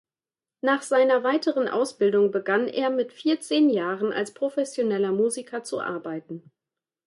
Nach seiner weiteren Ausbildung begann er mit vierzehn Jahren als professioneller Musiker zu arbeiten.